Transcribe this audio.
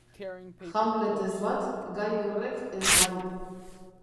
Hamletez bat, gai horrek ezbai.